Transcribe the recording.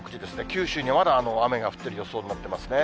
九州にはまだ雨が降っている予想になっていますね。